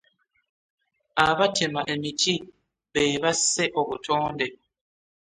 Abatema emiti be basse obutonde.